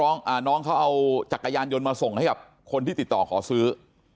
น้องเขาเอาจักรยานยนต์มาส่งให้กับคนที่ติดต่อขอซื้อ